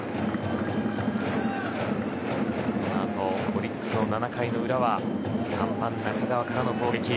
オリックスの７回裏は３番、中川からの攻撃。